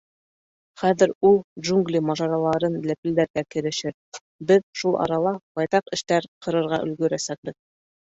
Хәҙер ул «джунгли мажараларын» ләпелдәргә керешер, беҙ шул арала байтаҡ эштәр ҡырырға өлгөрәсәкбеҙ.